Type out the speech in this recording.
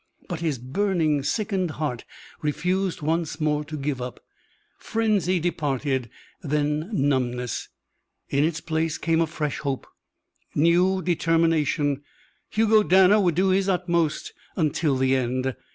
But his burning, sickened heart refused once more to give up. Frenzy departed, then numbness. In its place came a fresh hope, new determination. Hugo Danner would do his utmost until the end.